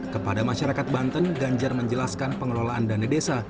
kepada masyarakat banten ganjar menjelaskan pengelolaan dana desa